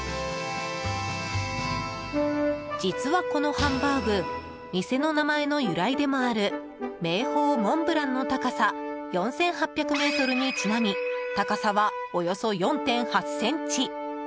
実は、このハンバーグ店の名前の由来でもある名峰モンブランの高さ４８００ｍにちなみ高さは、およそ４８ｃｍ。